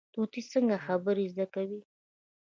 طوطي څنګه خبرې زده کوي؟